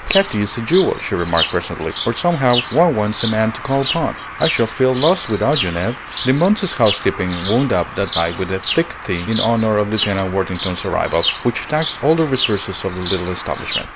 "Katy is a jewel," she remarked presently; "but somehow one wants a man to call upon. I shall feel lost without you, Ned." The month's housekeeping wound up that night with a "thick tea" in honor of Lieutenant Worthington's arrival, which taxed all the resources of the little establishment.